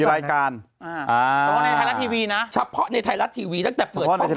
รายการอ่าแต่ว่าในไทยรัฐทีวีนะเฉพาะในไทยรัฐทีวีตั้งแต่เปิดช่อง